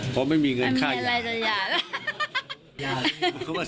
เพราะไม่มีเงินค่าอย่างนั้นอย่างนั้นมีอะไรจะหย่านะ